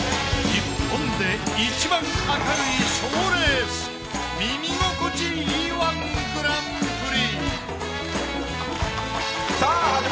「日本でいちばん明るい賞レース耳心地いい−１グランプリ」！